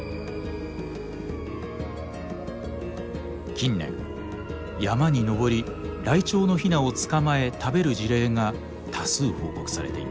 近年山に登りライチョウのヒナを捕まえ食べる事例が多数報告されています。